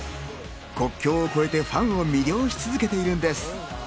国境を越えてファンを魅了し続けているのです。